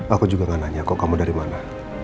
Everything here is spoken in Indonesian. aku juga gak nanya kok kamu dari mana